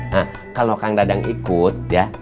nah kalau kang dadang ikut ya